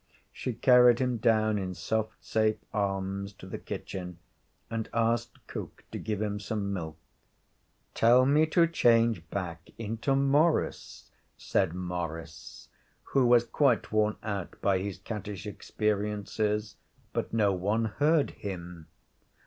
She carried him down, in soft, safe arms, to the kitchen, and asked cook to give him some milk. 'Tell me to change back into Maurice,' said Maurice who was quite worn out by his cattish experiences. But no one heard him.